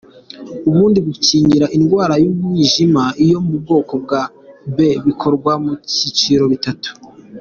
Ubundi gukingira indwara y’umwijima yo mu bwoko bwa B bikorwa mu byiciro bitatu.